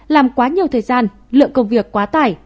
làm quá nhiều thời gian lượng công việc quá tải